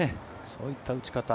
そういった打ち方。